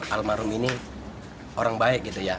almarhum ini orang baik gitu ya